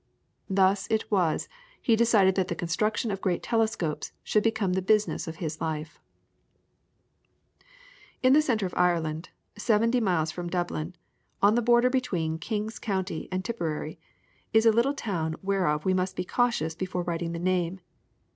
Thus it was he decided that the construction of great telescopes should become the business of his life. [PLATE: BIRR CASTLE. PLATE: THE MALL, PARSONSTOWN.] In the centre of Ireland, seventy miles from Dublin, on the border between King's County and Tipperary, is a little town whereof we must be cautious before writing the name.